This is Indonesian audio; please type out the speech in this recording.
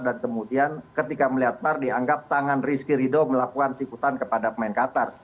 dan kemudian ketika melihat par dianggap tangan rizky ridho melakukan sikutan kepada pemain qatar